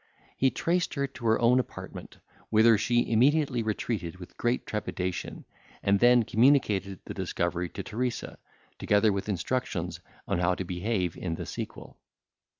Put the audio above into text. He traced her to her own apartment, whither she immediately retreated with great trepidation, and then communicated the discovery to Teresa, together with instructions how to behave in the sequel.